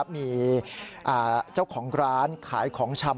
เพราะเธอหมดแต่ร้องไห้เลยนะฮะ